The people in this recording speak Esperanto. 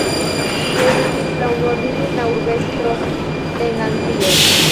Ŝi estis la unua virina urbestro en Anglio.